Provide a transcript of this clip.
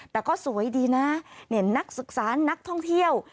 แต่ก็สวยดีนะนักศึกษานักท่องเที่ยว